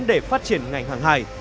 để phát triển ngành hàng hải